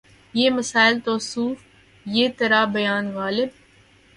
یہ مسائل تصوف یہ ترا بیان غالبؔ